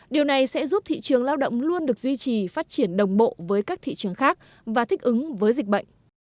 điều này sẽ giúp thị trường lao động luôn được duy trì phát triển đồng bộ với các thị trường khác và thích ứng với dịch bệnh